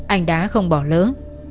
anh đã không bỏ lỡ